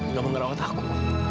nggak mau ngerawat aku